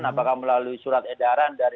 apakah melalui surat edaran dari